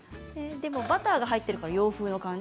でもバターが入っているから洋風な感じ。